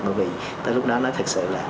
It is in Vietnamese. bởi vì tới lúc đó nói thật sự là